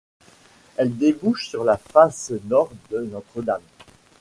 Elle débouche sur la façade nord de Notre-Dame.